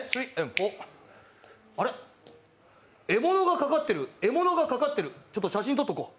あれっ、獲物がかかってる、獲物がかかってる、ちょっと写真撮っとこう。